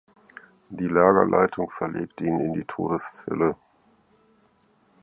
Die Lagerleitung verlegt ihn in die Todeszelle.